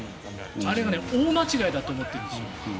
あれが、大間違いだと思っているんですよ。